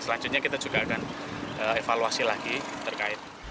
selanjutnya kita juga akan evaluasi lagi terkait